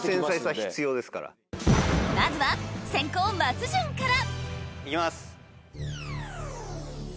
まずは先攻松潤から行きます。